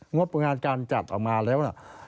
งบงานการจัดออกมาแล้ว